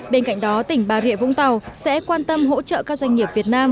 bên cạnh đó tỉnh bà rịa vũng tàu sẽ quan tâm hỗ trợ các doanh nghiệp việt nam